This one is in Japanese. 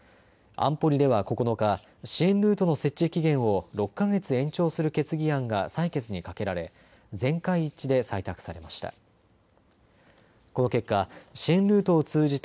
安保理では９日、支援ルートの設置期限を６か月延長する決議案が採決にかけられ全会一致で採択されました。